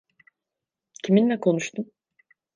Kiminle konuştun?